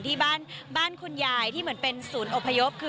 ที่บ้านคุณยายที่เหมือนเป็นศูนย์อบพยพคือ